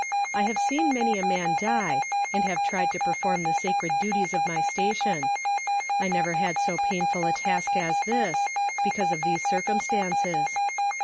I have seen many a man die, and have tried to perform the sacred duties of my station. I never had so painful a task as this, because of these circumstances.